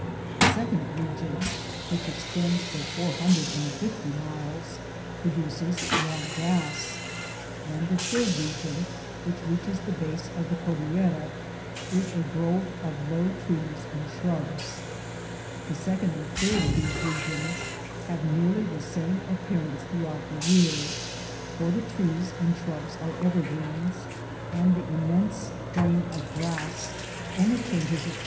8 the second region, which extends for four hun« dred and fifty miles, produces long grass ; and the third region, which reaches the base of the Cor dillera, is a grove of low trees and shrubs* The second and third of these regions have nearly the same appearance throughout the year, for the trees and shrubs are evergreens, and the immaise plain of grass only changes its.